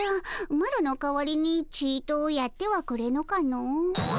マロの代わりにちとやってはくれぬかの。